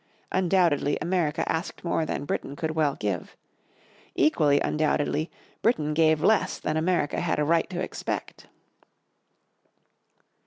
Undoubtedly America asked more than Britain could well give. Equally undoubtedly Britain gave less than America had a right to expect.